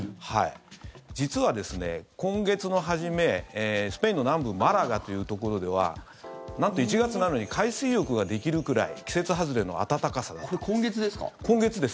実は今月の初め、スペインの南部マラガというところではなんと、１月なのに海水浴ができるくらい季節外れの暖かさだったんです。